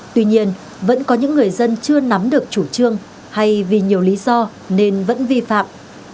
tuy nhiên vẫn có những người dân chưa nắm được chủ trương hay vì nhiều lý do nên vẫn vi phạm